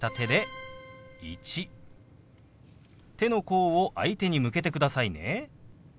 手の甲を相手に向けてくださいね。